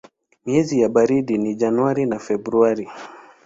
Miezi ya baridi ni Januari na Februari.